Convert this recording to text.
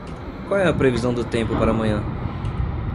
Qual é a previsão do tempo para amanhã?